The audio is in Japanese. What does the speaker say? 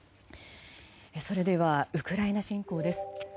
それでは、ウクライナ侵攻です。